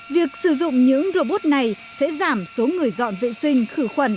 việc sử dụng những robot này sẽ giảm số người dọn vệ sinh khử khuẩn